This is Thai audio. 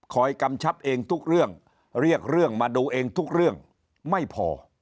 กำชับเองทุกเรื่องเรียกเรื่องมาดูเองทุกเรื่องไม่พอ